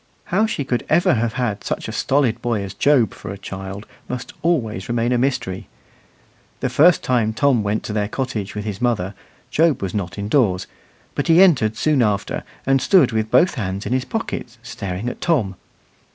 How she could ever have had such a stolid boy as Job for a child must always remain a mystery. The first time Tom went to their cottage with his mother, Job was not indoors; but he entered soon after, and stood with both hands in his pockets, staring at Tom.